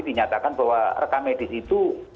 dinyatakan bahwa rekamedis itu